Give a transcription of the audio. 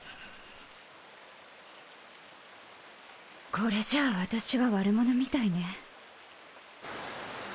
これじゃあ私が悪者みたいね。